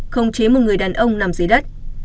không chế một người đàn ông nằm dưới đất